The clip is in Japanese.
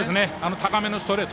高めのストレート